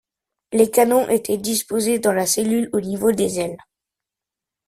Les canons étaient disposés dans la cellule au niveau des ailes.